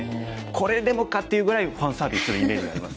これでもかっていうぐらいファンサービスするイメージがあります。